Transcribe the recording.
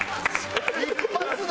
一発で？